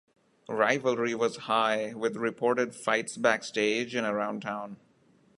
Rivalry was high with reported fights backstage and around town.